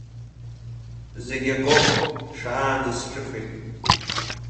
Зегь акоуп, шаанӡа сҿыхеит.